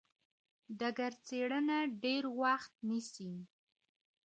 ډګر څېړنه ډېر وخت نیسي.